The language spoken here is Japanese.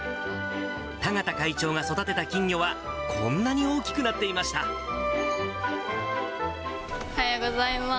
田形会長が育てた金魚は、こんなおはようございます。